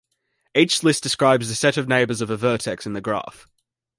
Each list describes the set of neighbors of a vertex in the graph.